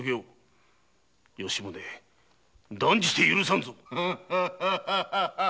吉宗断じて許さぬぞ！